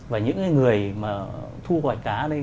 và những cái người mà thu gọi cá ở đây